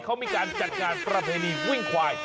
เขามีการจัดงานประเพณีวิ่งควาย